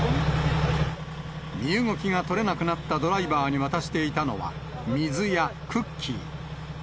身動きが取れなくなったドライバーに渡していたのは、水やクッキー。